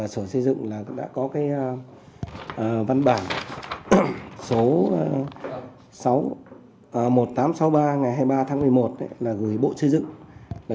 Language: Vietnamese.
sở xây dựng đã có văn bản số sáu một nghìn tám trăm sáu mươi ba ngày hai mươi ba tháng một mươi một là gửi bộ xây dựng